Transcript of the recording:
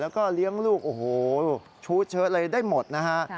แล้วก็เลี้ยงลูกโอ้โหชู้เชอะเลยได้หมดนะฮะ